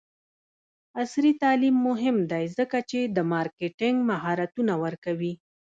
عصري تعلیم مهم دی ځکه چې د مارکیټینګ مهارتونه ورکوي.